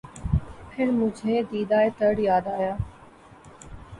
پھر مجھے دیدہٴ تر یاد آیا